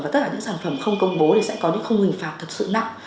và tất cả những sản phẩm không công bố thì sẽ có những khung hình phạt thực sự nặng